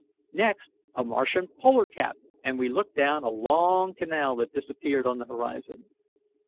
Next, a Martian polar cap, and we looked down a long canal that disappeared on the horizon.